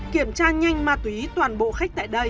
kiểm tra nhanh ma túy toàn bộ khách